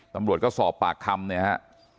ตำรวจก็สอบปากคำนะครับ